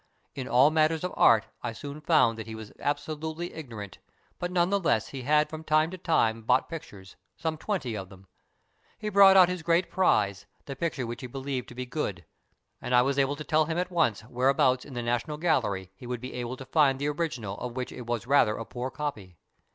In all matters of art I soon found that he was absolutely ignorant, but none the less he had from time to time bought pictures, some twenty of them. He brought out his great prize, the picture which he believed to be good, and I was able to tell him at once where abouts in the National Gallery he would be able to find the original of which it was rather a poor copy.